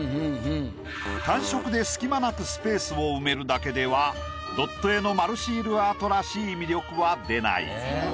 単色で隙間なくスペースを埋めるだけではドット絵の丸シールアートらしい魅力は出ない。